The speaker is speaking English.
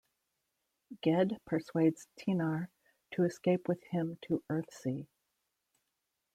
Ged persuades Tenar to escape with him to Earthsea.